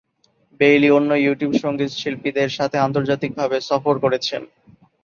Bailey অন্য YouTube সংগীত শিল্পীদের সাথে আন্তর্জাতিকভাবে সফর করেছেন।